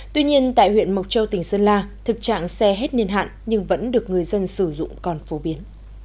tuy nhiên tại huyện mộc châu tỉnh sơn la thực trạng xe hết niên hạn nhưng vẫn được người dân sử dụng còn phổ biến